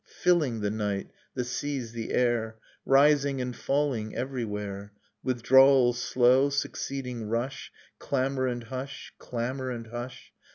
Fining the night, the seas, the air, Rising and falUng everywhere; Withdrawal slow ; succeeding rush ; Clamor and hush ; clamor and hush